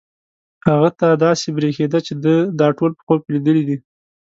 هغه ته داسې برېښېده چې ده دا ټول په خوب کې لیدلي دي.